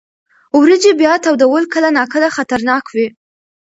وریجې بیا تودول کله ناکله خطرناک وي.